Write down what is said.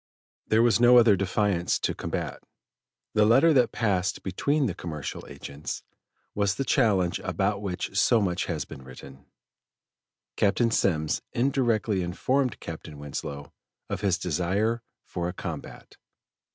There was no other defiance to combat. The letter that passed between the commercial agents, was the challenge about which so much has been written. Captain Semmes indirectly informed Captain Winslow of his desire for a combat.